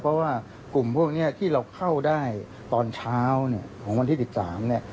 เพราะว่ากลุ่มพวกนี้ที่เราเข้าได้ตอนเช้าเนี่ยของวันที่๑๓เนี่ย